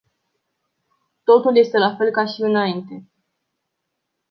Totul este la fel ca și înainte.